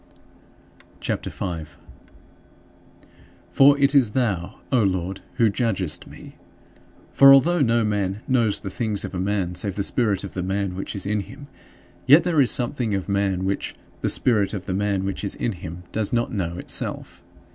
CHAPTER V 7. For it is thou, O Lord, who judgest me. For although no man "knows the things of a man, save the spirit of the man which is in him," yet there is something of man which "the spirit of the man which is in him" does not know itself.